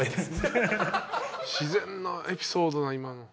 自然なエピソードだな今の。